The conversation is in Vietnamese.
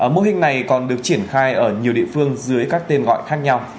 mô hình này còn được triển khai ở nhiều địa phương dưới các tên gọi khác nhau